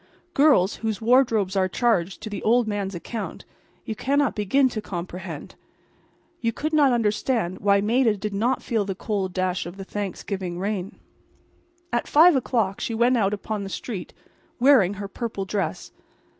Girls whose wardrobes are charged to the old man's account, you cannot begin to comprehend—you could not understand why Maida did not feel the cold dash of the Thanksgiving rain. At five o'clock she went out upon the street wearing her purple dress.